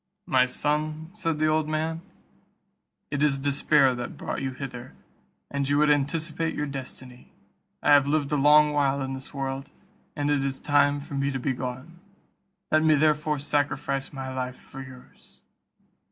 "My son," said the old man, "it is despair that brought you hither, and you would anticipate your destiny. I have lived a long while in the world, and it is time for me to be gone; let me therefore sacrifice my life for yours."